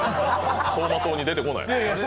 走馬灯に出てこない？